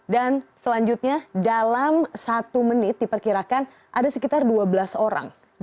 dan selanjutnya dalam satu menit diperkirakan ada sekitar dua belas orang